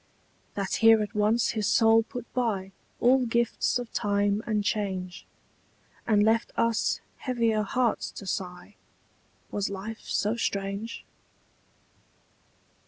That here at once his soul put by All gifts of time and change, And left us heavier hearts to sigh 'Was life so strange?